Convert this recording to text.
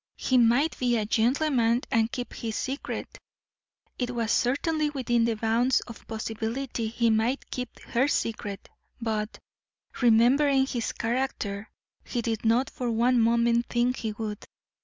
He might be a gentleman and keep his secret; it was certainly within the bounds of possibility he might keep her secret; but, remembering his character, she did not for one moment think he would.